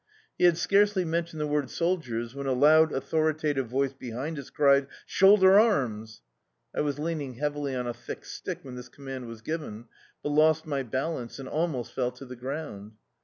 He had scarcely men tioned the word soldiers when a loud authoritative voice behind us cried — "Moulder Arms!" I was leaning heavily on a thick stick when this command was given, but lost my balance and almost fell to the ground.